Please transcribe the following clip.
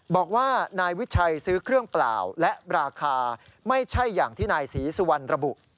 บอกว่านายวิชัยซื้อเครื่องเปล่าและราคาไม่ใช่อย่างที่นายศรีสุวรรณระบุ